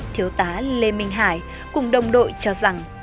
thiếu tá lê minh hải cùng đồng đội cho rằng